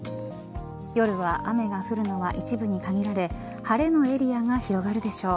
夜は雨が降るのは一部に限られ晴れのエリアが広がるでしょう。